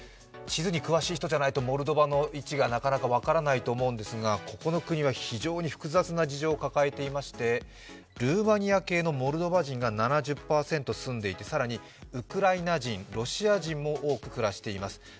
地図に詳しい人じゃないとモルドバの位置がなかなか分からないと思うんですがここの国は非常に複雑な事情を抱えていましてルーマニア系のモルドバ人が７０％住んでいて、更にウクライナ人、ロシア人も多く暮らしています。